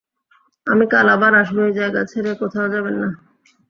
আমি কাল আবার আসব এই জায়গা ছেড়ে কোথাও যাবেননা।